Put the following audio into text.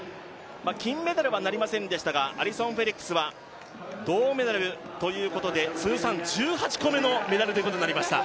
金メダルはなりませんでしたがアリソン・フェリックスは銅メダルということで、通算１８個目のメダルということになりました。